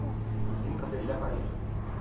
Bildiğim kadarıyla hayır.